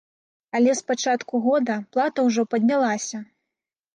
Але з пачатку года плата ўжо паднялася!